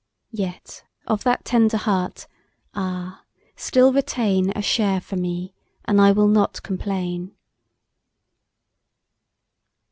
Yet of that tender heart, ah! still retain A share for me and I will not complain!